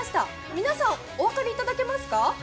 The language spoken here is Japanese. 皆さんお分かりいただけますか